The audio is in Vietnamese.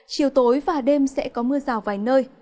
chiều tối và đêm sẽ có mưa rào vài nơi